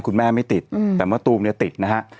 คุณแม่ไม่ติดแต่มะตูมเนี่ยติดนะฮะ